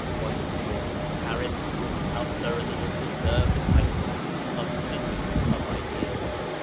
Once more Paris proved how thoroughly it deserved the title of 'city of ideas.'